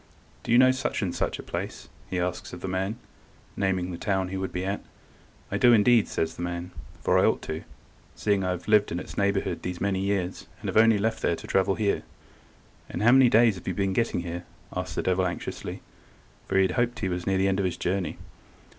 "Do you know such–and–such a place?" asks he of the man, naming the town he would be at. "I do, indeed," says the man, "for I ought to, seeing I have lived in its neighbourhood these many years, and have only left there to travel here." "And how many days have you been getting here?" asked the devil anxiously, for he had hoped he was near the end of his journey.